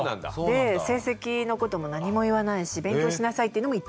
で成績のことも何も言わないし勉強しなさいっていうのも言ったこともない。